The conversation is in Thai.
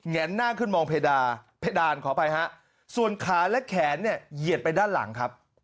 แนนหน้าขึ้นมองเพดาเพดานขออภัยฮะส่วนขาและแขนเนี่ยเหยียดไปด้านหลังครับ